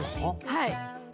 はい。